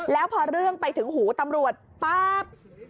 แล้วพอเรื่องไปถึงหูตำรวจป๊าบ